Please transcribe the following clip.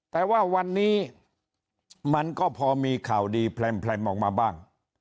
แต่ว่าวันนี้มันก็พอมีข่าวดีแพร่มออกมาบ้าง